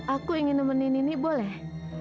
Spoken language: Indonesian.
aku ingin nemenin ini boleh